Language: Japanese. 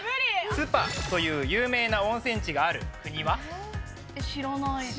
スパという有名な温泉地があ知らない。